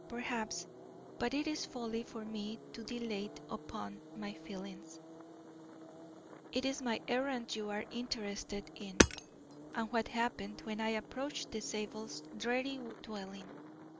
Perhaps but it is folly for me to dilate upon my feelings; it is my errand you are interested in, and what happened when I approached the Zabels' dreary dwelling."